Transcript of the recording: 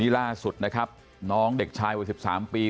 นี่ล่าสุดนะครับน้องเด็กชายวันสิบสามปี